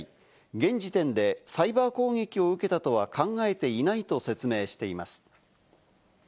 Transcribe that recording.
現時点でサイバー攻撃を受けたとは考えていないと説明しています。